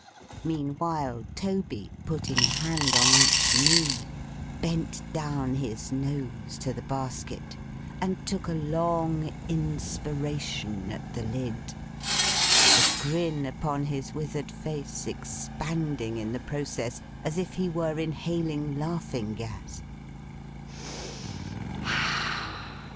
Meanwhile Toby, putting a hand on each knee, bent down his nose to the basket, and took a long inspiration at the lid; the grin upon his withered face expanding in the process, as if he were inhaling laughing gas.